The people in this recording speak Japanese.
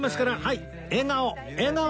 笑顔！